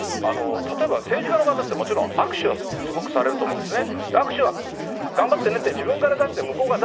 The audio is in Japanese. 例えば政治家の方って、もちろん、握手はすごくされると思うんですね。